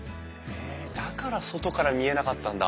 だから外から見えなかったんだ。